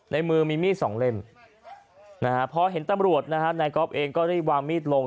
ในมือมีมีดสองเล่มนะฮะพอเห็นตำรวจนะฮะนายก๊อฟเองก็รีบวางมีดลง